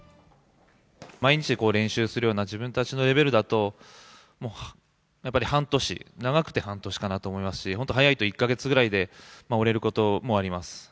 毎日練習するような、自分たちのレベルだと、もうやっぱり半年、長くて半年かなと思いますし、本当、早いと１か月くらいで折れることもあります。